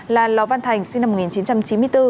là lò văn thành sinh năm một nghìn chín trăm chín mươi bốn